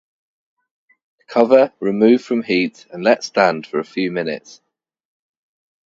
Cover, remove from heat and let stand for a few minutes.